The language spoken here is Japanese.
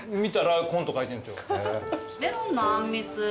メロンのあんみつ。